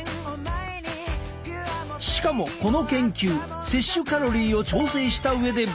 しかもこの研究摂取カロリーを調整した上で分析したもの。